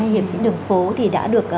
hay hiệp sĩ đường phố thì đã được